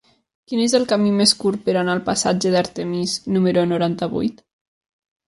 Quin és el camí més curt per anar al passatge d'Artemis número noranta-vuit?